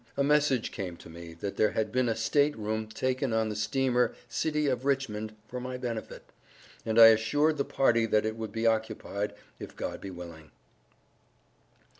a message came to me that there had been a State Room taken on the steamer City of Richmond for my benefit, and I assured the party that it would be occupied if God be willing.